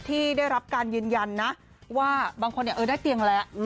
ที่ได้รับการยืนยันนะว่าบางคนได้เตียงแล้ว